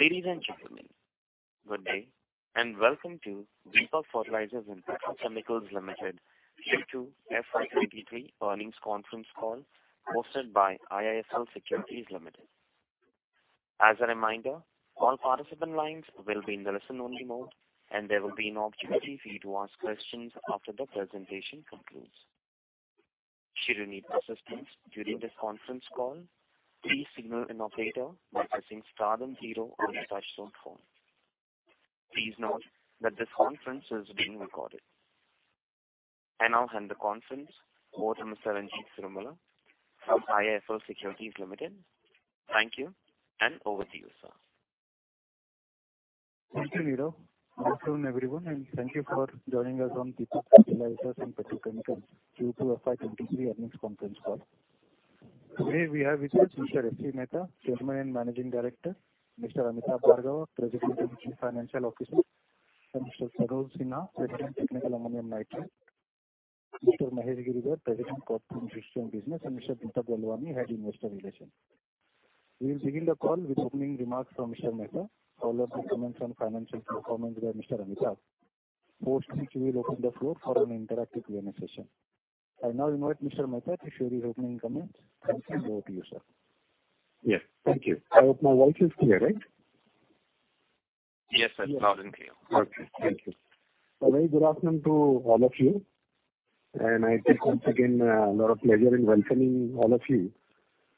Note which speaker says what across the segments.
Speaker 1: Ladies and gentlemen, good day, and welcome to Deepak Fertilisers and Petrochemicals Corporation Limited Q2 FY 2023 earnings conference call hosted by IIFL Securities Limited. As a reminder, all participant lines will be in the listen-only mode, and there will be an opportunity for you to ask questions after the presentation concludes. Should you need assistance during this conference call, please signal an operator by pressing star then zero on your touchtone phone. Please note that this conference is being recorded. I now hand the conference over to Mr. Ranjit Cirumalla from IIFL Securities Limited. Thank you, and over to you, sir.
Speaker 2: Thank you, Nirav. Good afternoon, everyone. Thank you for joining us on Deepak Fertilisers and Petrochemicals Q2 FY23 earnings conference call. Today we have with us Mr. S.C. Mehta, Chairman and Managing Director, Mr. Amitabh Bhargava, President and Chief Financial Officer, Mr. Tarun Sinha, President, Technical Ammonium Nitrate, Mr. Mahesh Girdhar, President, Crop Nutrition Business, and Mr. Deepak Balwani, Head, Investor Relations. We'll begin the call with opening remarks from Mr. Mehta, followed by comments on financial performance by Mr. Amitabh. Post which we will open the floor for an interactive Q&A session. I now invite Mr. Mehta to share his opening comments. Thank you. Over to you, sir.
Speaker 3: Yes, thank you. I hope my voice is clear, right?
Speaker 1: Yes, sir. Loud and clear.
Speaker 3: Okay. Thank you. A very good afternoon to all of you, and I take once again a lot of pleasure in welcoming all of you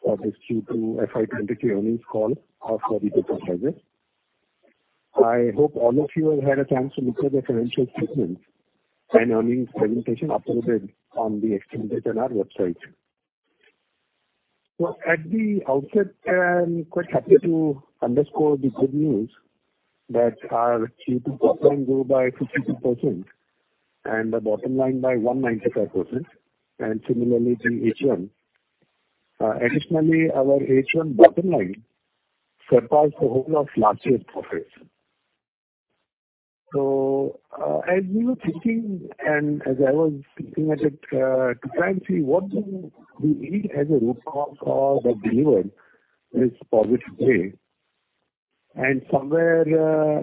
Speaker 3: for this Q2 FY 2023 earnings call of Deepak Fertilisers and Petrochemicals. I hope all of you have had a chance to look at the financial statements and earnings presentation uploaded on the exchange and our website. At the outset, I'm quite happy to underscore the good news that our Q2 top line grew by 52% and the bottom line by 195% and similarly the H1. Additionally, our H1 bottom line surpassed the whole of last year's profits. As we were thinking and as I was looking at it, to try and see what do we need as a root cause for the delivered this positive way. Somewhere,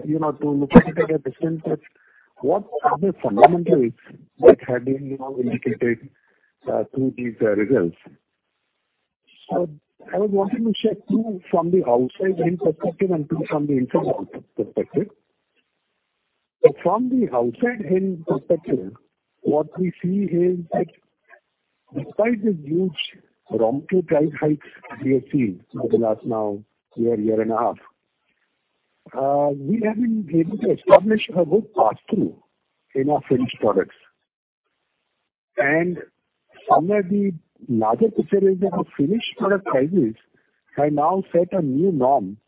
Speaker 3: you know, to look at it at a distance of what are the fundamentals that have been, you know, indicated through these results. I was wanting to check two from the outside in perspective and two from the inside out perspective. From the outside in perspective, what we see is that despite the huge raw material price hikes we have seen over the last now year and a half, we have been able to establish a good pass-through in our finished products. Somewhere the larger picture is that the finished product prices have now set a new norm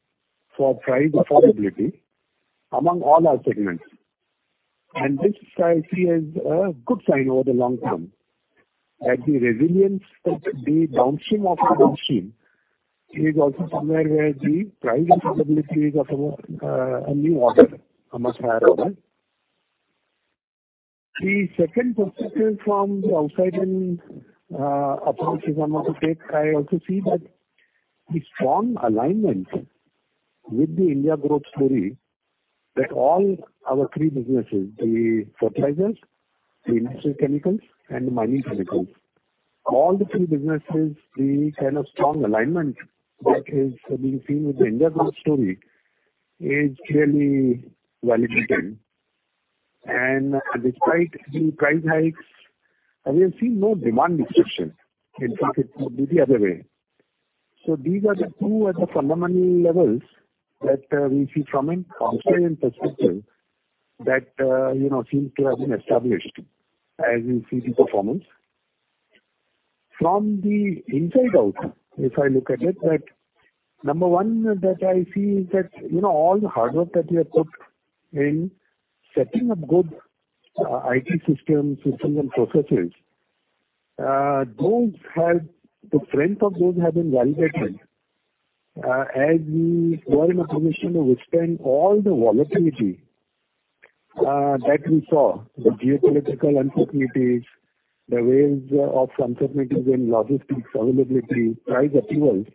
Speaker 3: for price affordability among all our segments. This I see as a good sign over the long term, that the resilience that the downstream of the upstream is also somewhere where the price affordability is of a new order amongst our rivals. The second perspective from the outside in approach is I also see that the strong alignment with the India growth story, that all our three businesses, the fertilizers, the industrial chemicals and mining chemicals, the kind of strong alignment that is being seen with the India growth story is clearly validated. Despite the price hikes, we have seen no demand destruction. In fact, it would be the other way. These are the two at the fundamental levels that we see from an outside in perspective that, you know, seems to have been established as we see the performance. From the inside out, if I look at it, that number one that I see is that, you know, all the hard work that we have put in setting up good, IT systems and processes, those have. The strength of those have been validated, as we were in a position to withstand all the volatility that we saw. The geopolitical uncertainties, the waves of uncertainties in logistics availability, price approvals,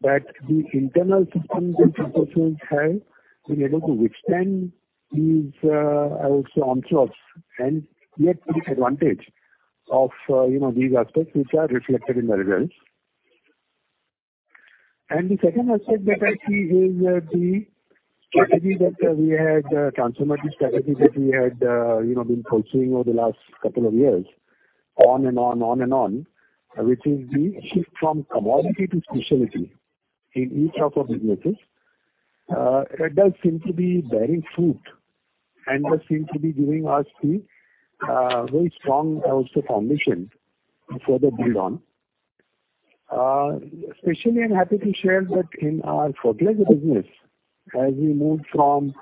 Speaker 3: that the internal systems and processes have been able to withstand these, I would say, onslaughts and yet take advantage of, you know, these aspects which are reflected in the results. The second aspect that I see is the transformative strategy that we had, you know, been pursuing over the last couple of years, which is the shift from commodity to specialty in each of our businesses. It does seem to be bearing fruit and does seem to be giving us the very strong also foundation to further build on. Especially I'm happy to share that in our fertilizer business as we move from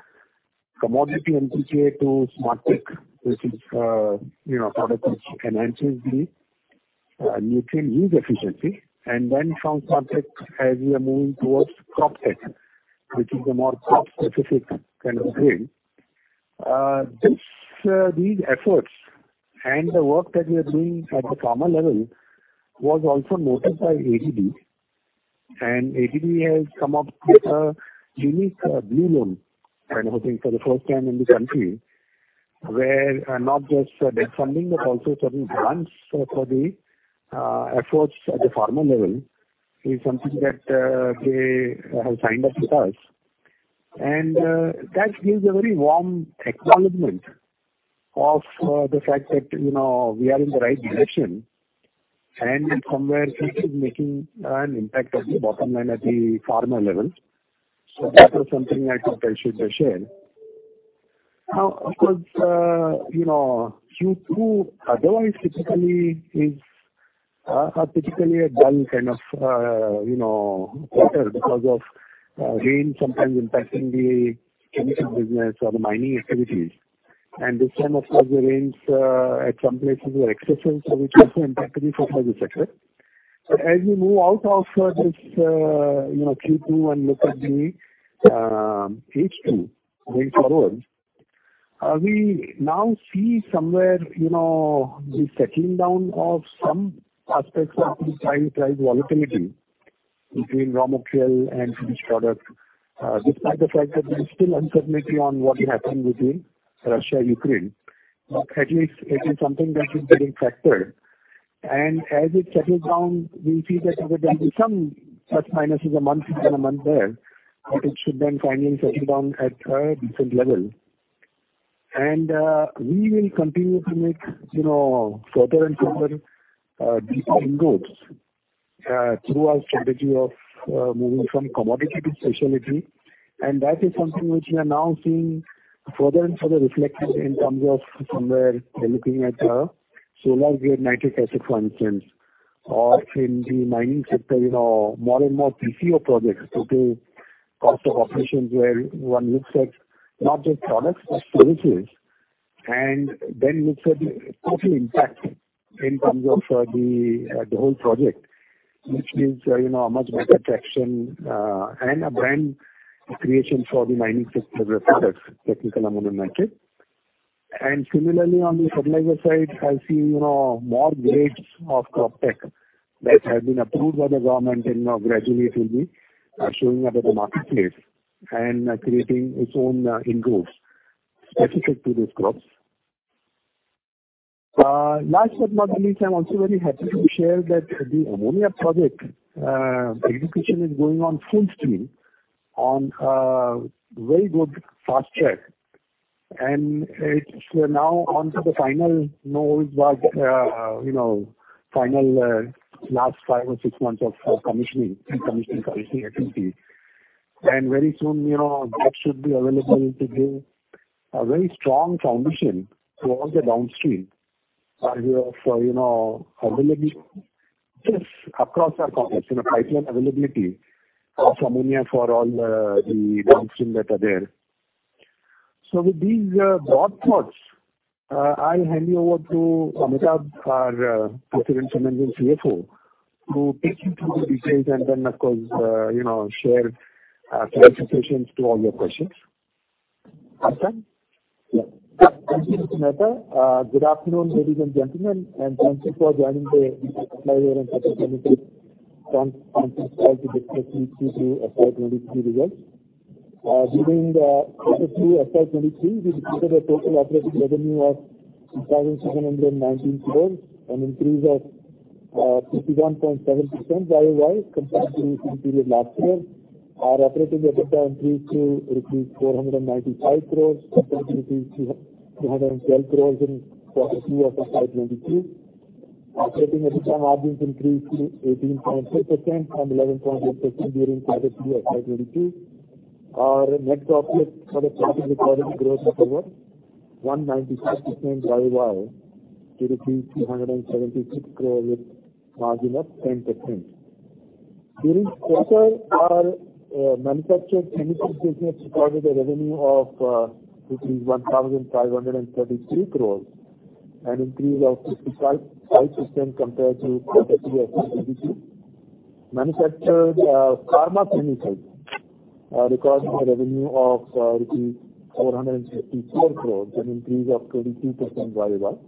Speaker 3: commodity NPK to SMARTEK, which is, you know, product which enhances the nutrient use efficiency and then from SMARTEK as we are moving towards CROPTEK, which is a more crop specific kind of grade. These efforts and the work that we are doing at the farmer level was also noticed by ADB. ADB has come up with a unique, blue loan, I'm hoping for the first time in the country, where, not just, debt funding, but also certain grants for the, efforts at the farmer level is something that, they have signed up with us. That gives a very warm acknowledgment of, the fact that, you know, we are in the right direction and somewhere this is making an impact of the bottom line at the farmer level. That was something I think I should share. Now, of course, you know, Q2 otherwise typically is a dull kind of, you know, quarter because of, rain sometimes impacting the chemical business or the mining activities. This time, of course, the rains, at some places were excessive, so which also impacted the fertilizer sector. As we move out of this you know Q2 and look at the H2 going forward we now see somewhere you know the settling down of some aspects of the supply and price volatility between raw material and finished product. Despite the fact that there's still uncertainty on what happened between Russia and Ukraine. At least it is something that is getting factored. As it settles down we'll see that there will be some plus minuses a month here and a month there but it should then finally settle down at a different level. We will continue to make you know further and further deeper inroads through our strategy of moving from commodity to specialty. That is something which we are now seeing further and further reflected in terms of somewhere we're looking at Solar-Grade Nitric Acid, for instance, or in the mining sector, you know, more and more TCO projects to do cost of operations where one looks at not just products, but services. Then looks at the total impact in terms of the whole project, which gives you know, a much better traction and a brand creation for the mining sector reference products, Technical Ammonium Nitrate. Similarly on the fertilizer side, I see you know, more grades of Croptek that have been approved by the government and now gradually it will be showing up at the marketplace and creating its own inroads specific to these crops. Last but not the least, I'm also very happy to share that the ammonia project execution is going on full steam on a very good fast track. It's now onto the final phase work, you know, final last five or six months of commissioning, pre-commissioning, commissioning activities. Very soon, you know, that should be available to give a very strong foundation towards the downstream, you know, availability just across our complex, you know, pipeline availability of ammonia for all the downstream that are there. With these broad thoughts, I'll hand you over to Amitabh, our President and CFO, to take you through the details and then of course, you know, share clarifications to all your questions. Amitabh?
Speaker 4: Yeah. Thank you, Mr. S.C Mehta. Good afternoon, ladies and gentlemen, and thank you for joining the IIFL Conference call to discuss Q2 FY 2023 results. During the Q2 FY 2023, we reported a total operating revenue of 6,619 crores, an increase of 51.7% YOY compared to the same period last year. Our operating EBITDA increased to rupees 495 crores as compared to rupees 312 crores in Q2 of FY 2022. Operating EBITDA margins increased to 18.6% from 11.8% during quarter two of FY 2022. Our net profit for the quarter recorded growth of over 196% YOY to 276 crore with margin of 10%. During quarter, our manufactured chemicals business recorded a revenue of INR 1,533 crores, an increase of 55.5% compared to Q2 of FY 2022. Manufactured pharma chemicals recorded a revenue of rupees 454 crores, an increase of 22% YOY.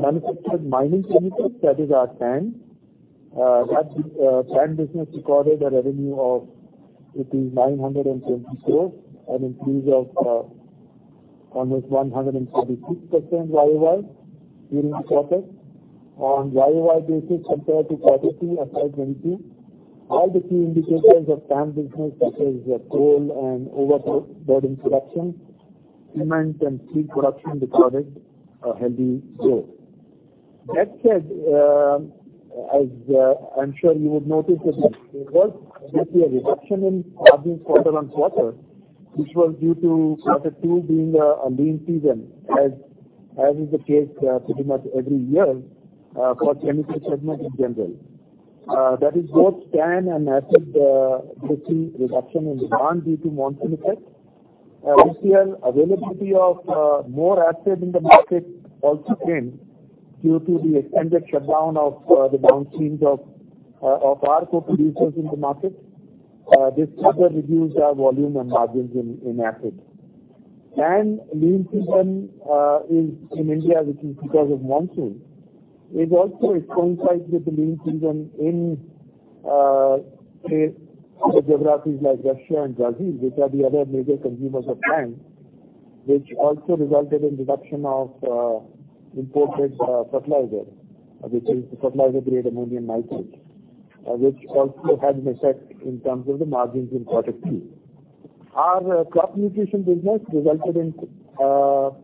Speaker 4: Manufactured mining chemicals, that is our TAN. That TAN business recorded a revenue of 920 crores, an increase of almost 136% YOY during the quarter. On YOY basis compared to Q2 FY 2022, all the key indicators of TAN business such as coal and overburden production, cement and steel production recorded a healthy growth. That said, as I'm sure you would notice that there was basically a reduction in margins quarter-over-quarter, which was due to quarter two being a lean season, as is the case pretty much every year for chemical segment in general. That is both TAN and acid, we're seeing reduction in demand due to monsoon effect. This year, availability of more acid in the market also came due to the extended shutdown of the downstreams of our co-producers in the market, this further reduced our volume and margins in acid. Lean season is in India, which is because of monsoon. It also coincides with the lean season in the geographies like Russia and Brazil, which are the other major consumers of TAN, which also resulted in reduction of imported fertilizer, which is the fertilizer grade ammonium nitrate, which also had an effect in terms of the margins in Q2. Our crop nutrition business resulted in Q2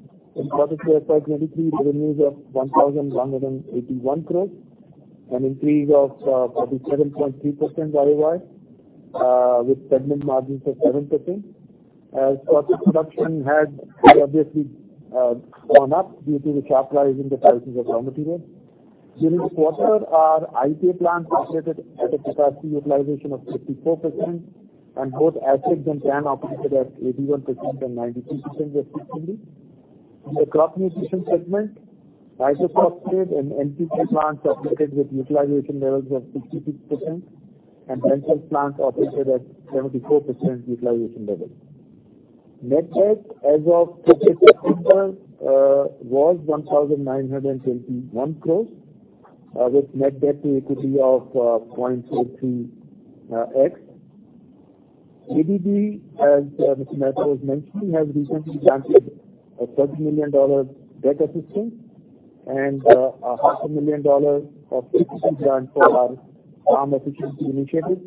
Speaker 4: approximately revenues of 1,181 crores, an increase of 37.3% YOY, with segment margins of 7%. As quarter production had obviously gone up due to the sharp rise in the prices of raw material. During the quarter, our IPA plant operated at a capacity utilization of 54% and both acid and TAN operated at 81% and 93% respectively. In the crop nutrition segment, isopropanol and NPK plants operated with utilization levels of 66% and NPK plant operated at 74% utilization level. Net debt as of September was 1,921 crores with net debt to equity of 0.22X. ADB, as Mr. S.C. Mehta was mentioning, has recently granted a $30 million debt assistance and $0.5 million equity grant for our farm efficiency initiative,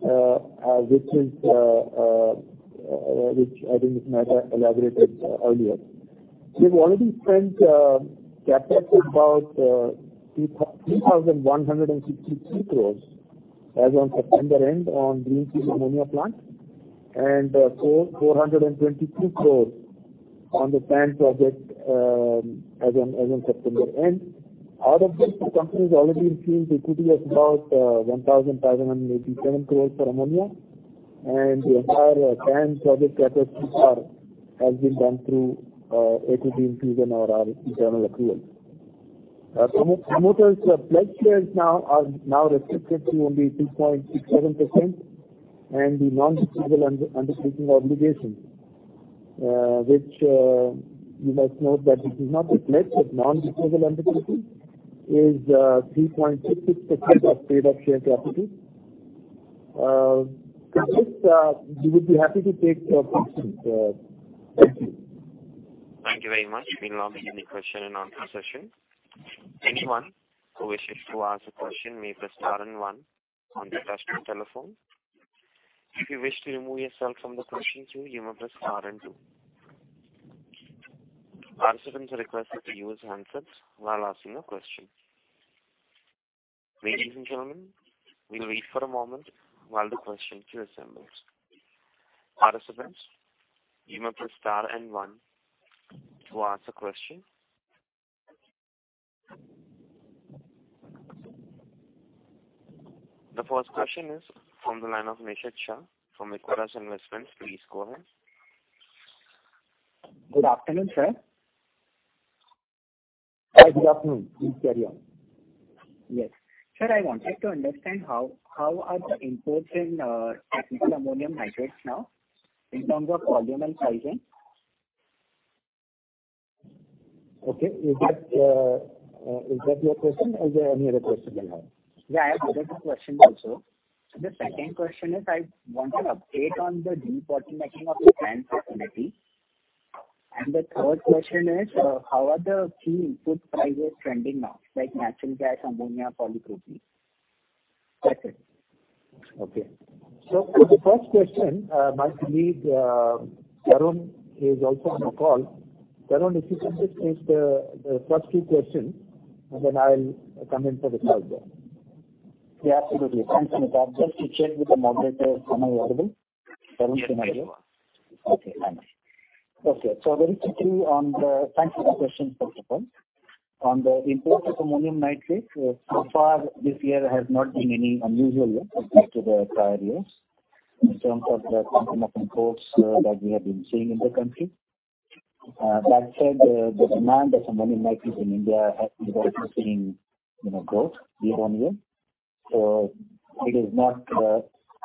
Speaker 4: which I think Mr. S.C. Mehta elaborated earlier. With all of these trends, CapEx about 3,163 crores as on September end on greenfield ammonia plant and 423 crores on the TAN project, as on September end. Out of these, the company has already infused equity of about 1,587 crores for ammonia and the entire TAN project capital so far has been done through equity infusion or our internal accruals. Promoters pledged shares now are restricted to only 2.67%. The non-disposal undertaking obligation, which you must note that this is not a pledge, but non-disposal undertaking is 3.66% of paid-up share capital. With this, we would be happy to take your questions. Thank you.
Speaker 1: Thank you very much. We now begin the question and answer session. Anyone who wishes to ask a question may press star and one on their touchtone telephone. If you wish to remove yourself from the question queue, you may press star and two. Participants are requested to use handsets while asking a question. Ladies and gentlemen, we'll wait for a moment while the question queue assembles. Participants, you may press star and one to ask a question. The first question is from the line of Nisheet Shah from IKROYA Investments. Please go ahead.
Speaker 5: Good afternoon, sir.
Speaker 4: Good afternoon. Please carry on.
Speaker 5: Yes. Sir, I wanted to understand how are the imports in Technical Ammonium Nitrate now in terms of volume and pricing?
Speaker 4: Okay. Is that your question or is there any other question you have?
Speaker 5: Yeah, I have other two questions also. The second question is I want an update on the debottlenecking of the TAN facility. The third question is, how are the key input prices trending now, like natural gas, ammonia, propylene? That's it.
Speaker 4: Okay. For the first question, my colleague, Tarun is also on the call. Tarun, if you can please take the first two questions and then I'll come in for the third one.
Speaker 6: Yeah, absolutely. Thanks a lot. Just to check with the moderator, am I audible?
Speaker 1: Tarun Sinha.
Speaker 6: Okay, thanks. Okay. Thanks for the questions, first of all. On the imports of ammonium nitrate, so far this year has not been any unusual year as compared to the prior years in terms of the volume of imports that we have been seeing in the country. That said, the demand for ammonium nitrate in India has been also seeing, you know, growth year-on-year. It is not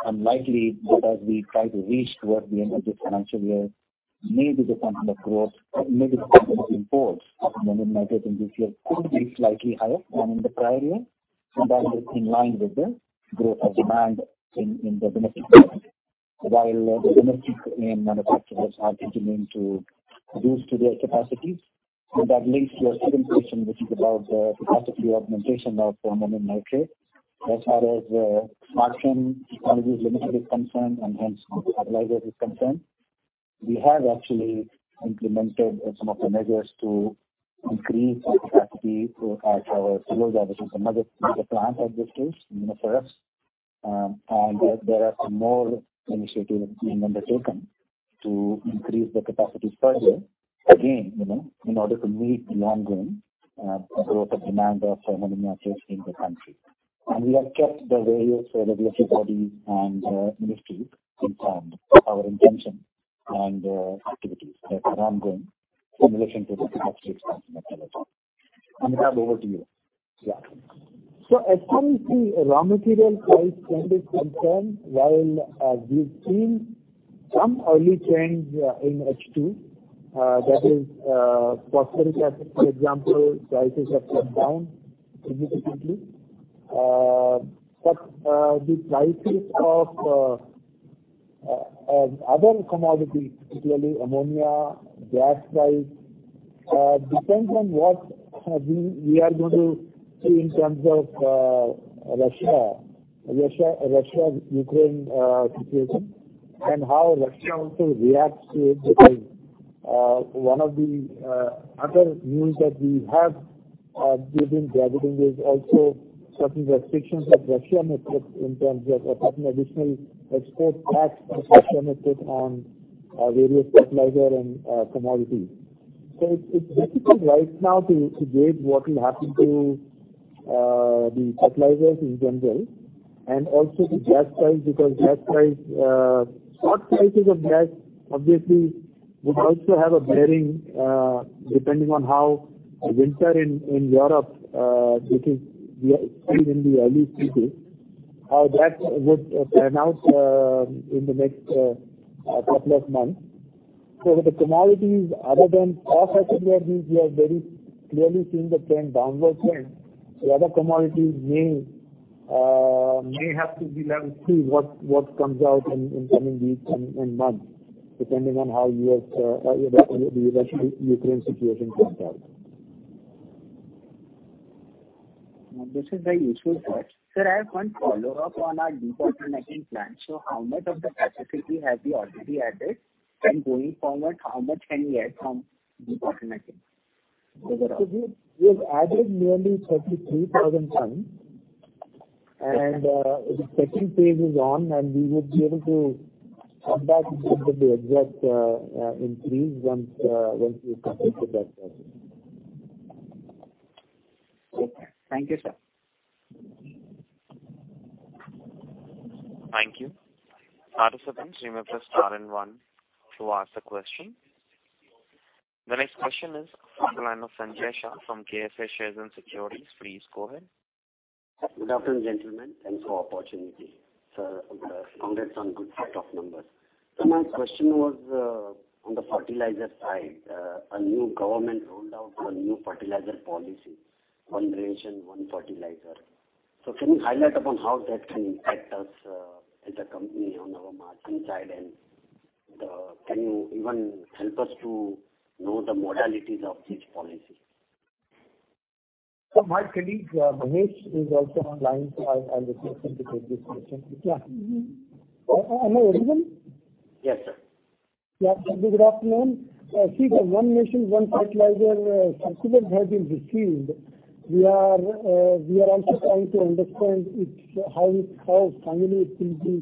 Speaker 6: unlikely because we try to reach towards the end of this financial year, maybe the volume of growth or maybe the volume of imports of ammonium nitrate in this year could be slightly higher than in the prior year, and that is in line with the growth of demand in the domestic market. While the domestic AN manufacturers are continuing to produce to their capacities. That leads to your second question, which is about the capacity augmentation of ammonium nitrate. As far as Deepak Fertilisers and Petrochemicals Corporation Limited is concerned and hence fertilizer is concerned, we have actually implemented some of the measures to increase our capacity at our Taloja, which is another major plant of this group, Deepak Fertilisers. And there are some more initiatives being undertaken to increase the capacity further again, you know, in order to meet the ongoing growth of demand of ammonium nitrate in the country. We have kept the various regulatory bodies and ministry informed of our intention and activities that are ongoing in relation to the substitutes and that kind of thing. Deepak, over to you.
Speaker 4: Yeah. As far as the raw material price trend is concerned, while we've seen some early change in H2, that is, phosphorus, for example, prices have come down significantly. The prices of other commodities, particularly ammonia, gas price depends on what we are going to see in terms of Russia-Ukraine situation and how Russia also reacts to it because one of the other news that we have given to everybody is also certain restrictions that Russia may put in terms of certain additional export tax that Russia may put on various fertilizer and commodities. It's difficult right now to gauge what will happen to the fertilizers in general and also the gas price because gas price spot prices of gas obviously would also have a bearing depending on how winter in Europe, which is we are still in the early stages, how that would pan out in the next couple of months. The commodities other than phosphate where we have very clearly seen the downward trend, the other commodities may have to be. We'll have to see what comes out in coming weeks and months depending on how U.S. or the Russia-Ukraine situation pans out.
Speaker 5: This is very useful. Sir, I have one follow-up on our debottlenecking plan. How much of the capacity have you already added? Going forward, how much can you add from debottlenecking?
Speaker 4: Sudhir, we have added nearly 33,000 tons. The second phase is on, and we would be able to come back with the exact increase once we've completed that phase.
Speaker 5: Okay. Thank you, sir.
Speaker 1: Thank you. Participants, you may press star and one to ask the question. The next question is from the line of Sanjay Shah from KSA Shares & Securities. Please go ahead.
Speaker 7: Good afternoon, gentlemen. Thanks for opportunity. Sir, congrats on good set of numbers. My question was, on the fertilizer side. A new government rolled out a new fertilizer policy, One Nation One Fertilizer. Can you highlight upon how that can impact us, as a company on our margin side? Can you even help us to know the modalities of this policy?
Speaker 4: My colleague, Mahesh is also online, so I'll request him to take this question. Yeah.
Speaker 8: Am I audible?
Speaker 1: Yes.
Speaker 8: Yeah. Good afternoon. See the One Nation One Fertilizer circular has been received. We are also trying to understand how finally it will be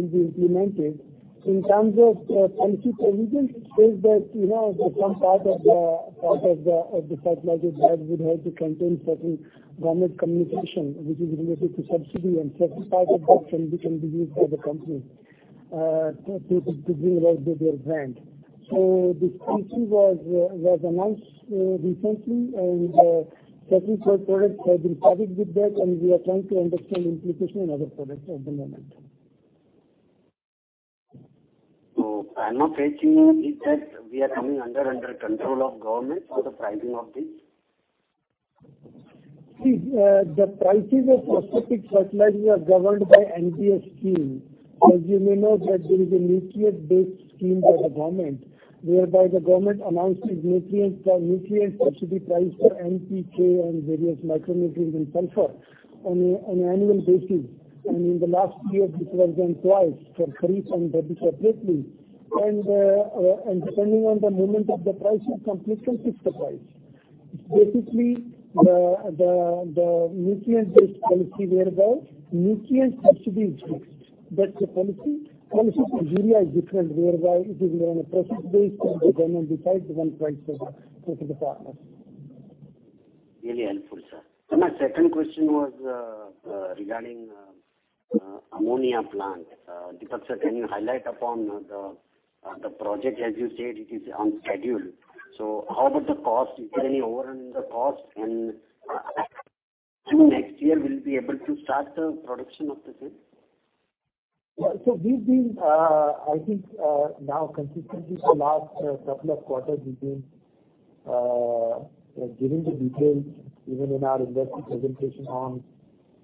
Speaker 8: implemented. In terms of policy provisions, it says that, you know, some part of the fertilizer bag would have to contain certain government communication which is related to subsidy, and certain part of that can be used by the company to bring about their brand. This policy was announced recently, and certain four products have been covered with that, and we are trying to understand implication on other products at the moment.
Speaker 7: Am I right in saying that we are coming under control of government for the pricing of this?
Speaker 8: See, the prices of phosphate fertilizer are governed by NBS scheme. As you may know that there is a nutrient-based scheme by the government, whereby the government announces nutrient subsidy price for NPK and various micronutrients and sulfur on an annual basis. Depending on the movement of the prices, companies can fix the price. Basically, the nutrient-based policy whereby nutrient subsidy is fixed. That's the policy. Policy for urea is different, whereby it is on a process-based and the government decides on price for the partners.
Speaker 7: Really helpful, sir. My second question was regarding ammonia plant. Deepak sir, can you highlight upon the project? As you said, it is on schedule. How about the cost? Is there any overrun in the cost? Next year, we'll be able to start the production of the same?
Speaker 4: We've been, I think, now consistently for last couple of quarters giving the details even in our investor presentation on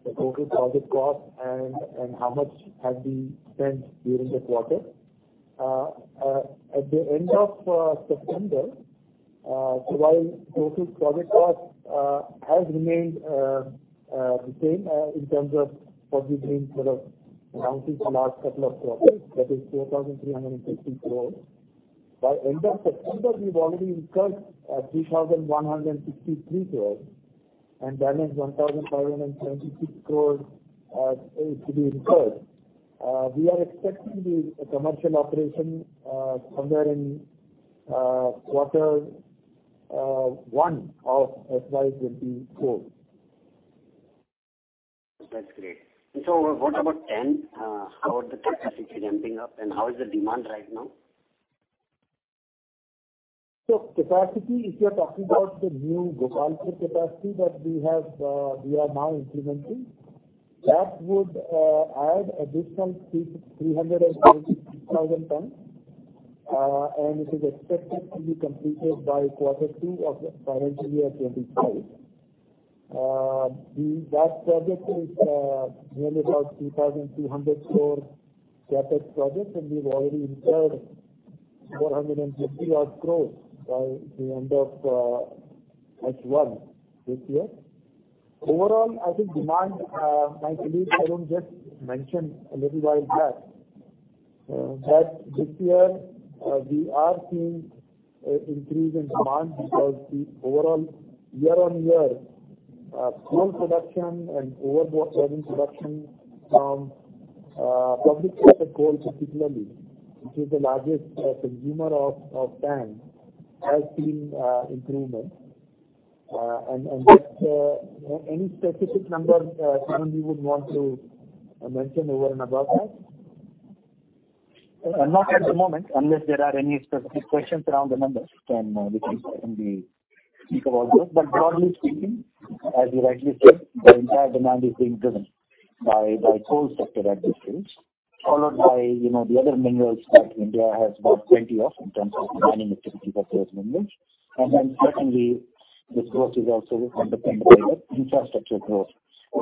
Speaker 4: the total project cost and how much has been spent during the quarter. At the end of September, while total project cost has remained the same in terms of what we've been sort of announcing for last couple of quarters, that is 4,360 crores. By end of September, we've already incurred 3,163 crores, and balance 1,526 crores is to be incurred. We are expecting the commercial operation somewhere in Q1 of FY 2024.
Speaker 7: That's great. What about TAN? How is the capacity ramping up and how is the demand right now?
Speaker 4: Capacity, if you're talking about the new Gopalpur capacity that we have, we are now implementing.
Speaker 7: Yeah.
Speaker 4: That would add additional 333,000 tons. It is expected to be completed by Q2 of financial year 2025. That project is nearly about 3,200 crore CapEx project, and we've already incurred 450 odd crores by the end of H1 this year. Overall, I think demand, like Tarun Sinha just mentioned a little while back, that this year, we are seeing an increase in demand because the overall year-on-year coal production and overburden removal from public sector coal, particularly, which is the largest consumer of TAN, has seen improvement. And that. Any specific numbers, Tarun Sinha, you would want to mention over and above that?
Speaker 6: Not at the moment, unless there are any specific questions around the numbers then, which we can think about those. But broadly speaking, as you rightly said, the entire demand is being driven by coal sector at this stage, followed by, you know, the other minerals that India has about plenty of in terms of mining activity that there has been made. Then secondly, this growth is also dependent on the infrastructure growth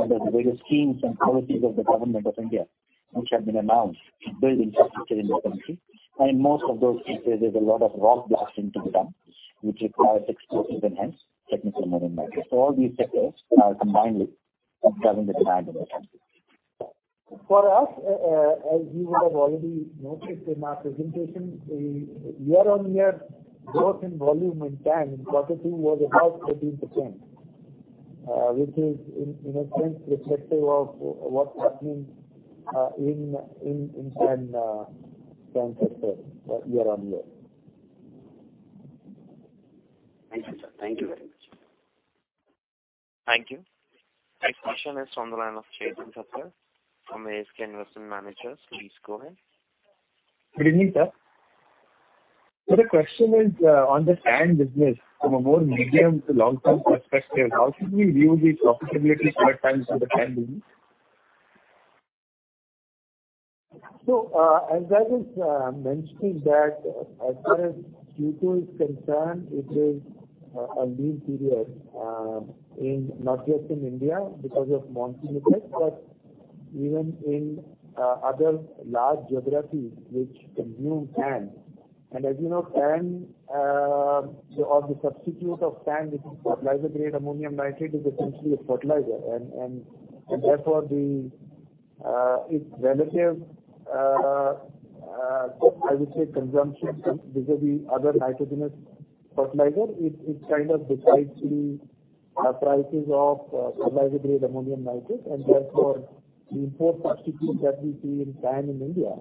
Speaker 6: under the various schemes and policies of the Government of India, which have been announced to build infrastructure in the country. In most of those cases, there's a lot of rock blasting to be done, which requires explosives and hence Technical Ammonium Nitrate. All these sectors are combined with driving the demand in the country.
Speaker 4: For us, as you would have already noted in our presentation, the year-on-year growth in volume in TAN in Q2 was about 13%, which is in TAN sector year-on-year.
Speaker 7: Thank you, sir. Thank you very much.
Speaker 1: Thank you. Next question is on the line of Chaitanya Thapar from ASK Investment Managers. Please go ahead.
Speaker 9: Good evening, sir. The question is, on the TAN business from a more medium to long term perspective, how should we view the profitability timelines for the TAN business?
Speaker 4: As Tarun Sinha mentioned, as far as Q2 is concerned, it is a lean period in not just India because of monsoon effect, but even in other large geographies which consume TAN. As you know, TAN, of the substitute of TAN, which is fertilizer grade ammonium nitrate, is essentially a fertilizer. Therefore its relative, I would say consumption vis-a-vis other nitrogenous fertilizer is kind of decides the prices of fertilizer grade ammonium nitrate and therefore the import substitute that we see in TAN in India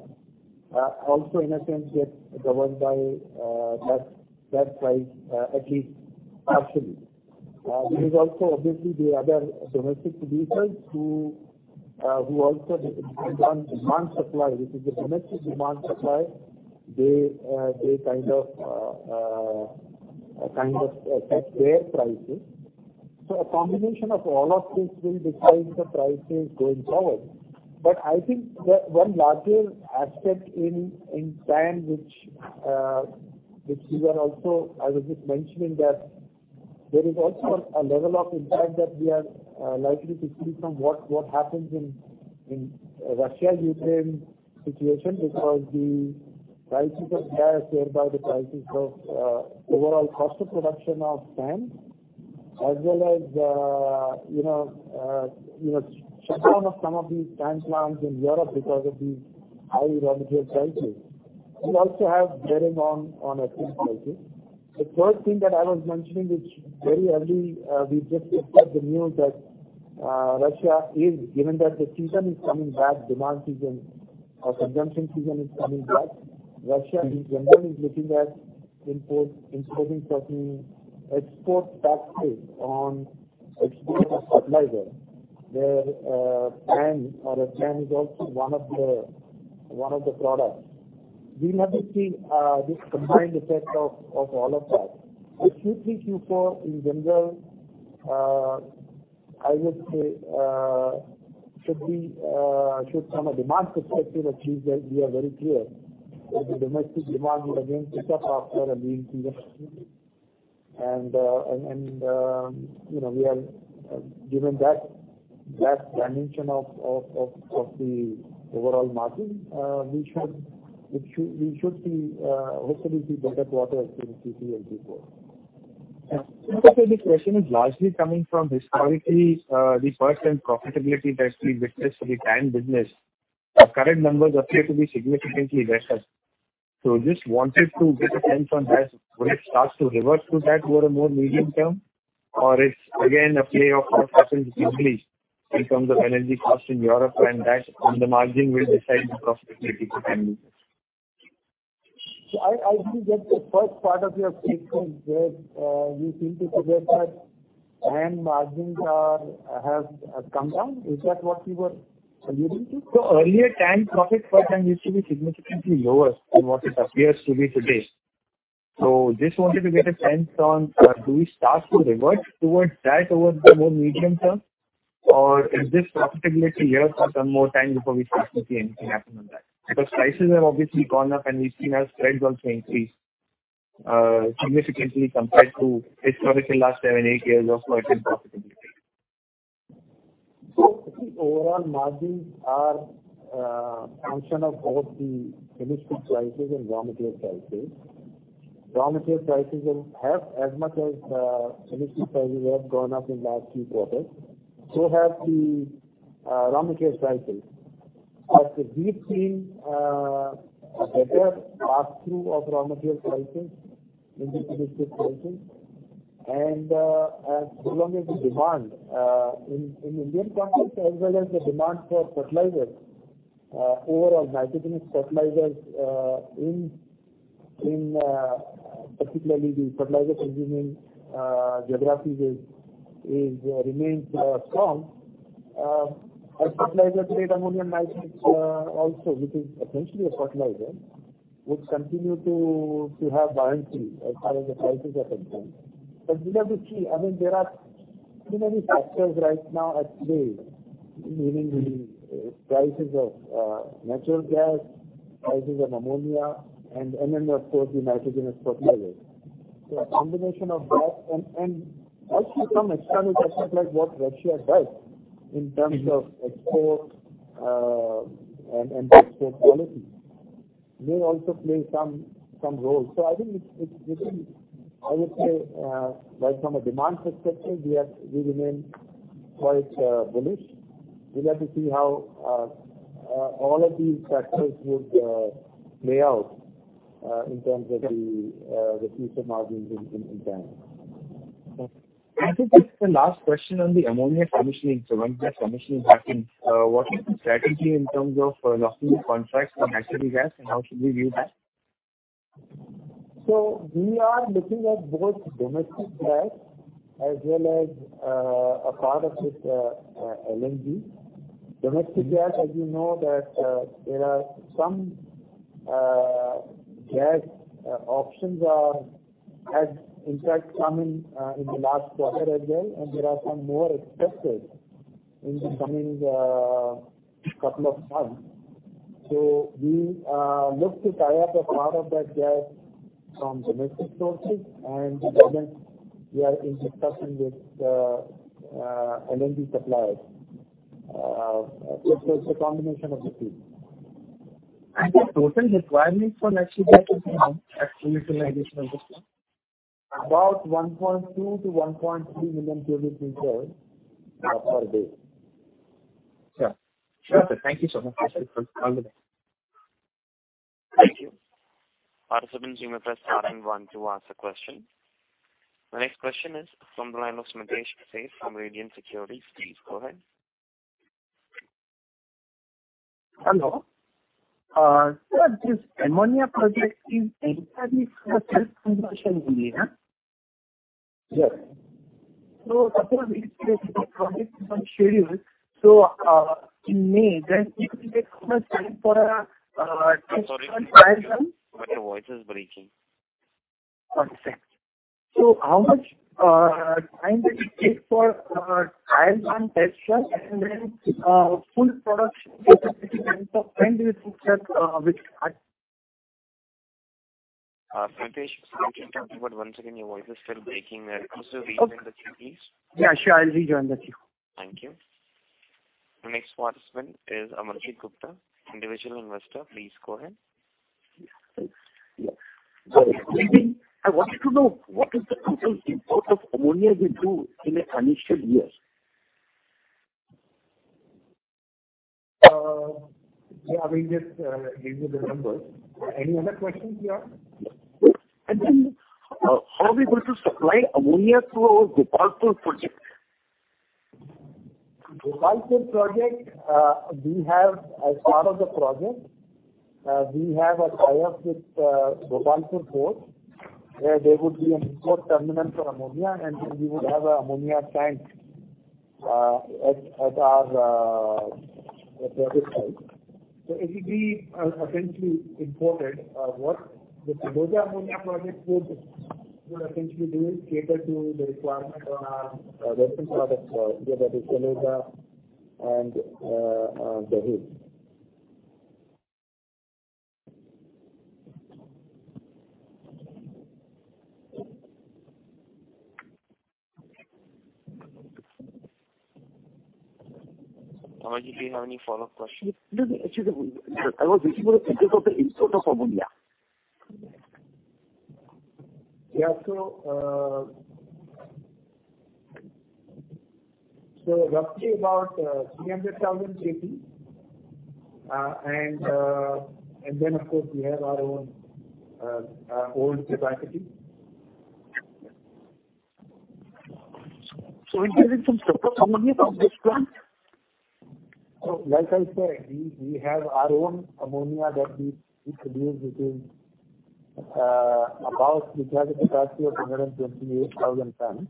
Speaker 4: also in a sense gets governed by that price at least partially. There is also obviously the other domestic producers who also determine demand supply. This is the domestic demand supply. They kind of set their prices. A combination of all of these will decide the prices going forward. I think the one larger aspect in TAN. I was just mentioning that there is also a level of impact that we are likely to see from what happens in Russia-Ukraine situation because the prices of gas thereby the prices of overall cost of production of TAN as well as you know shutdown of some of these TAN plants in Europe because of these high energy prices will also have bearing on our TAN prices. The third thing that I was mentioning, which very early, we just picked up the news that Russia, given that the season is coming back, demand season or consumption season is coming back. Russia in general is looking at imposing certain export taxes on export of fertilizer. TAN is also one of the products. We have to see this combined effect of all of that. I still think Q4 in general I would say should be from a demand perspective at least that we are very clear that the domestic demand will again pick up after a lean period. You know, we are given that dimension of the overall margin. We should see, hopefully, better quarter between Q3 and Q4.
Speaker 9: Okay. This question is largely coming from historically, the first time profitability that we witnessed for the TAN business. Our current numbers appear to be significantly lesser. Just wanted to get a sense on that. Will it start to revert to that over a more medium term? It's again a play of what happens globally in terms of energy cost in Europe and that on the margin will decide the profitability for TAN business?
Speaker 4: I didn't get the first part of your question where you seem to suggest that TAN margins have come down. Is that what you were alluding to?
Speaker 9: Earlier, TAN profit per ton used to be significantly lower than what it appears to be today. Just wanted to get a sense on, do we start to revert towards that over the medium term, or is this profitability here for some more time before we start to see anything happen on that? Because prices have obviously gone up, and we've seen our spreads also increase, significantly compared to historically last seven, eight years of slight profitability.
Speaker 4: I think overall margins are a function of both the chemical prices and raw material prices. Raw material prices have as much as chemical prices have gone up in last few quarters, so have the raw material prices. But we've seen a better pass-through of raw material prices into finished good prices. As long as the demand in Indian context, as well as the demand for fertilizers overall nitrogenous fertilizers in particularly the fertilizer consuming geographies remains strong. As fertilizer grade ammonia and nitrogen also which is essentially a fertilizer would continue to have buoyancy as far as the prices are concerned. But we'll have to see. I mean, there are too many factors right now at play, meaning the prices of natural gas, prices of ammonia, and then of course the nitrogenous fertilizers. A combination of that and actually some external factors like what Russia does in terms of exports, and export policy may also play some role. I think it's different. I would say, like from a demand perspective, we remain quite bullish. We'll have to see how all of these factors would play out in terms of the future margins in TAN.
Speaker 9: Okay. Just the last question on the ammonia commissioning. Once that commissioning happens, what is the strategy in terms of locking the contracts for natural gas and how should we view that?
Speaker 4: We are looking at both domestic gas as well as a part of it, LNG. Domestic gas, as you know that, there are some gas options have in fact come in in the last quarter as well, and there are some more expected in the coming couple of months. We look to tie up a part of that gas from domestic sources and the balance we are in discussion with LNG suppliers. It is a combination of the two.
Speaker 9: The total requirement for natural gas is how much at full utilization of the plant?
Speaker 4: About 1.2-1.3 million kg per hour.
Speaker 9: Per day. Sure. Sure. Thank you so much. All the best.
Speaker 4: Thank you.
Speaker 1: Participants, you may press star and one to ask a question. The next question is from the line of Mitesh Patel from Nuvama Institutional Equities. Please go ahead.
Speaker 10: Hello. Sir, this ammonia project is entirely for self-consumption only, huh?
Speaker 4: Yes.
Speaker 10: Approximately the project is on schedule in May. It will take how much time for test run trial run?
Speaker 1: I'm sorry. Your voice is breaking.
Speaker 10: One sec. How much time will it take for trial run test run and then full production capability, when do you think that will start?
Speaker 1: Mitesh, sorry to interrupt you, but once again your voice is still breaking. Could you please rejoin the queue, please?
Speaker 10: Yeah, sure. I'll rejoin the queue.
Speaker 1: Thank you. The next participant is Amarjeet Gupta, Individual Investor. Please go ahead.
Speaker 11: Yes. I wanted to know what is the total import of ammonia we do in an initial year?
Speaker 4: We'll just give you the numbers. Any other questions you have?
Speaker 11: How are we going to supply ammonia through Gopalpur project?
Speaker 4: Gopalpur project, we have as part of the project, we have a tie-up with Gopalpur Port, where there would be a port terminal for ammonia, and then we would have a ammonia tank at our project site. It will be essentially imported. The Talcher ammonia project would essentially be cater to the requirement of our existing products, that is Taloja and Dahej.
Speaker 1: Amarjeet, do you have any follow-up questions?
Speaker 11: No, no. Actually, I was looking at the total import of ammonia.
Speaker 4: Roughly about 300,000 NPK. Then of course, we have our own capacity.
Speaker 11: In terms of Ammonia from this plant?
Speaker 4: Like I said, we have our own ammonia that we produce, which is about we have a capacity of 128,000 tons.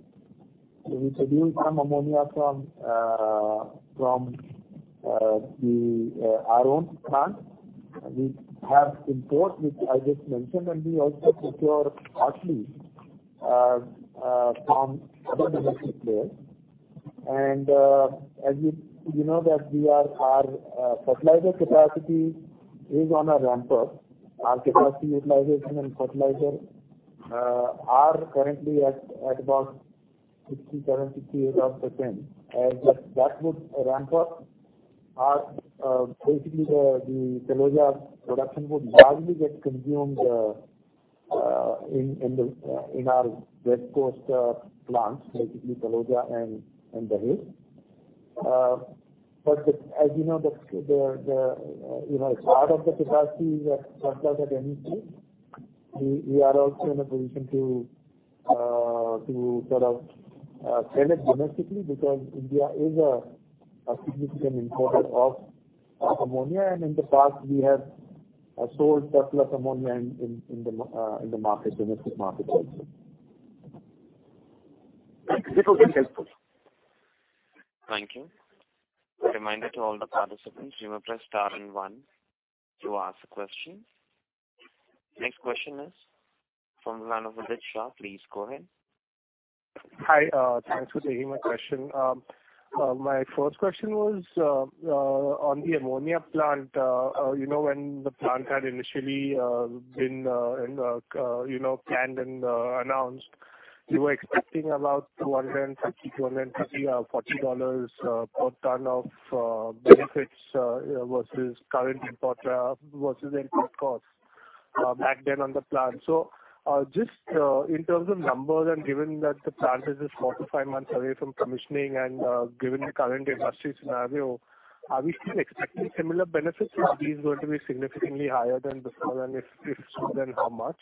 Speaker 4: We produce some ammonia from our own plant. We have imports, which I just mentioned, and we also procure partly from other domestic players. As you know our fertilizer capacity is on a ramp up. Our capacity utilization and fertilizer are currently at about 67%-68% odd. That would ramp up, basically the Taloja production would largely get consumed in our West Coast plants, basically Taloja and Dahej. As you know, you know, the part of the capacity that's surplus at any stage, we are also in a position to sort of sell it domestically because India is a significant importer of ammonia. In the past we have sold surplus ammonia in the domestic market also.
Speaker 12: That's a little bit helpful.
Speaker 1: Thank you. A reminder to all the participants, you may press star and one to ask a question. Next question is from the line of Vidit Shah. Please go ahead.
Speaker 12: Hi, thanks for taking my question. My first question was on the ammonia plant. You know, when the plant had initially been you know planned and announced, you were expecting about $250-$40 per ton of benefits versus import costs back then on the plant. Just in terms of numbers, and given that the plant is just four to five months away from commissioning and given the current industry scenario, are we still expecting similar benefits or is this going to be significantly higher than before? And if so, then how much?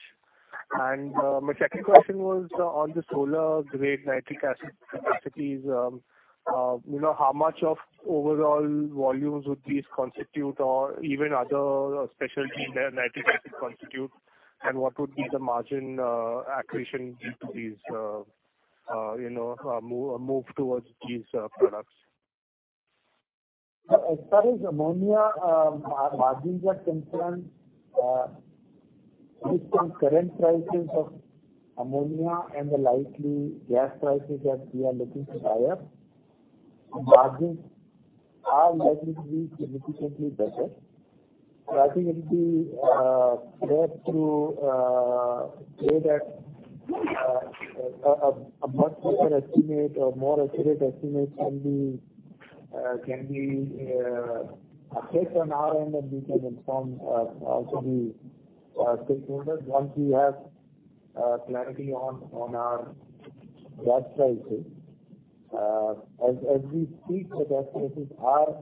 Speaker 12: My second question was on the solar-grade nitric acid capacities. You know, how much of overall volumes would these constitute or even other specialty there Nitric Acid constitute? What would be the margin accretion due to these, you know, move towards these products?
Speaker 4: As far as ammonia, margins are concerned, between current prices of ammonia and the likely gas prices that we are looking to buy at, margins are likely to be significantly better. I think it would be fair to say that a much better estimate or more accurate estimate can be assessed on our end, and we can inform also the stakeholders once we have clarity on our gas prices. As we speak the gas prices are,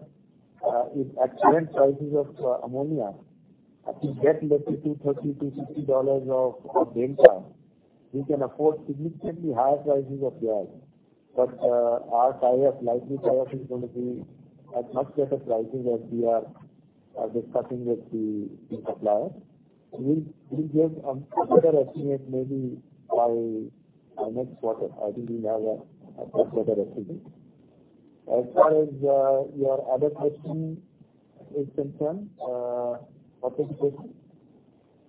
Speaker 4: if at current prices of ammonia, I think that leads to $30-$60 of delta. We can afford significantly higher prices of gas. Our likely tie up is gonna be at much better pricing as we are discussing with the suppliers. We'll give a better estimate maybe by our next quarter. I think we'll have a first quarter estimate. As far as your other question is concerned.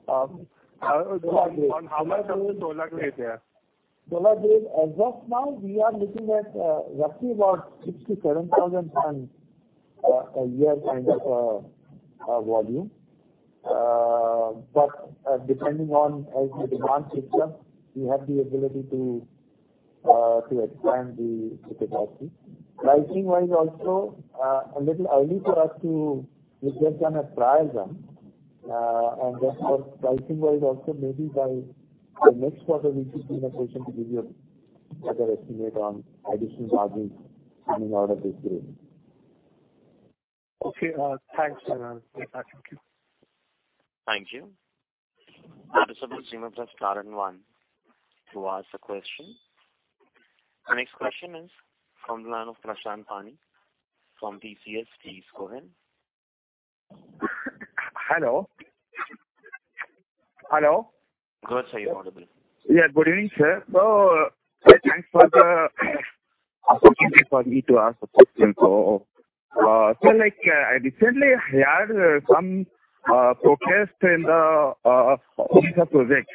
Speaker 12: On how much of the Solar-Grade there.
Speaker 4: Solar grade. As of now we are looking at roughly about 6,000-7,000 tons a year kind of volume. But depending on how the demand picks up, we have the ability to expand the capacity. Pricing wise also, a little early for us to. We've just done a trial run. For pricing wise also maybe by the next quarter we should be in a position to give you a better estimate on additional margins coming out of this grade.
Speaker 12: Okay. Thanks. Bye-bye. Thank you.
Speaker 1: Thank you. Participants, you may press star and one to ask a question. Our next question is from the line of Prashant Tani from TCS. Please go ahead.
Speaker 13: Hello? Hello?
Speaker 1: Go ahead sir, you're audible.
Speaker 13: Yeah. Good evening, sir. Thanks for the opportunity for me to ask the question. Like, recently had some protest in the Odisha project,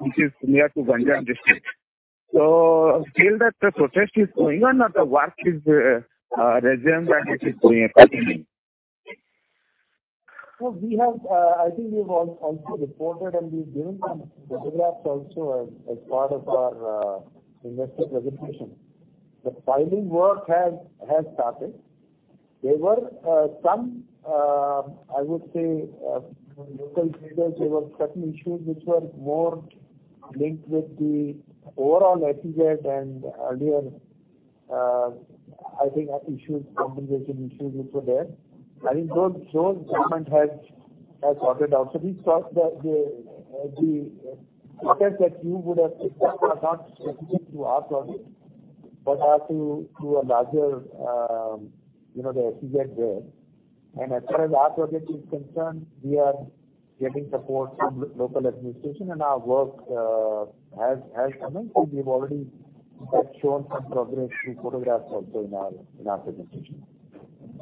Speaker 13: which is near to Ganjam district. Still that the protest is going on, the work is resumed and it is going accordingly.
Speaker 4: We have, I think we've also reported and we've given some photographs also as part of our investor presentation. The filing work has started. There were some, I would say, local leaders, there were certain issues which were more linked with the overall SEZ and earlier, I think issues, compensation issues which were there. I think those government has sorted out. These protests, the protests that you would have picked up are not specific to our project but are to a larger, you know, the SEZ there. As far as our project is concerned, we are getting support from local administration and our work has commenced. We've already, in fact, shown some progress through photographs also in our presentation.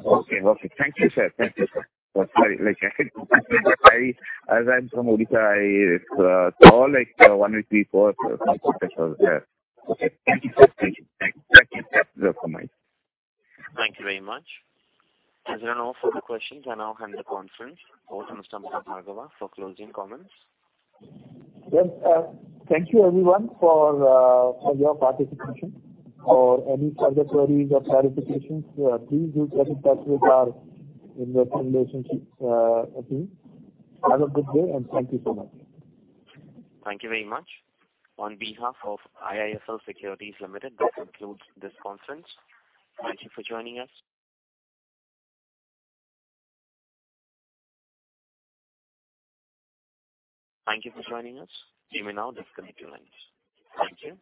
Speaker 13: Okay. Thank you, sir. Sorry. Like I said, I, as I'm from Odisha, I saw like one or two, three, four, some protests was there. Okay. Thank you, sir. Thank you.
Speaker 4: You're welcome.
Speaker 1: Thank you very much. As there are no further questions, I now hand the conference over to Mr. Bhargava for closing comments.
Speaker 4: Yes. Thank you everyone for your participation. For any further queries or clarifications, please do get in touch with our Investor Relations team. Have a good day, and thank you so much.
Speaker 1: Thank you very much. On behalf of IIFL Securities Limited, that concludes this conference. Thank you for joining us. Thank you for joining us. You may now disconnect your lines. Thank you.